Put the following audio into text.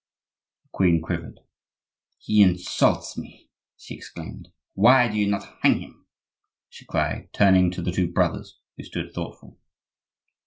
The queen quivered. "He insults me!" she exclaimed. "Why do you not hang him?" she cried, turning to the two brothers, who stood thoughtful.